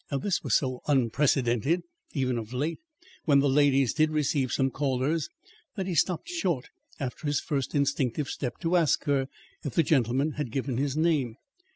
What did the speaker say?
This was so unprecedented, even of late when the ladies did receive some callers, that he stopped short after his first instinctive step, to ask her if the gentleman had given his name.